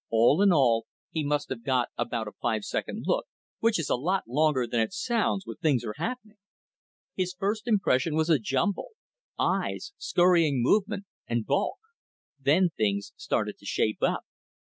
All in all, he must have got about a five second look, which is a lot longer than it sounds when things are happening. His first impression was a jumble eyes, scurrying movement, and bulk. Then things started to shape up.